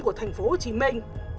của thành phố hồ chí minh